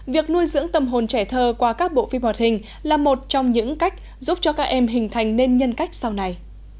việc nuôi dưỡng tâm hồn trẻ thơ qua các bộ phim hoạt hình là một trong những cách giúp cho các em hình thành nên nhân cách sau này